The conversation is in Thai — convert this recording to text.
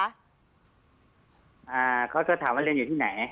เขาก็ถามว่าเรียนอยู่ที่ไหน